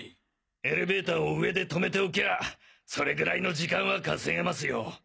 エレベーターを上で止めておきゃあそれぐらいの時間は稼げますよ。